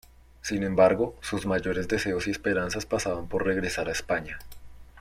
Sin embargo, sus mayores deseos y esperanzas pasaban por regresar a España.